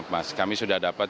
mas kami sudah dapat